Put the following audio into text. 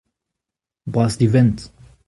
Bras-divent.